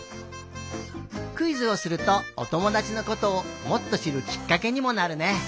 クイズをするとおともだちのことをもっとしるきっかけにもなるね。